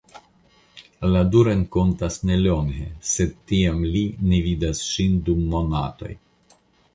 La du renkontas nelonge sed tiam li ne vidas ŝin dum monatoj.